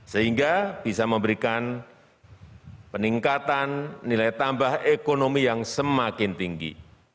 sehingga bisa memberikan peningkatan nilai tambah ekonomi yang semakin tinggi